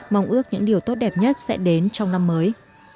mong ước những điều tốt đẹp nhất sẽ đến trong năm mới